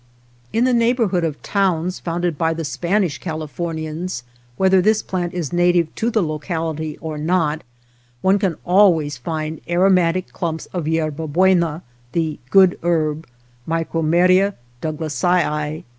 In the neighborhood of towns founded by the Spanish Californians, whether this plant is native to the locality or not, one can 231 OTHER WATER BORDERS always find aromatic clumps oi yerba bue7ia, the " good herb " {Micromeria Douglassii).